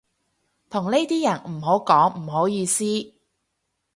同呢啲人唔好講唔好意思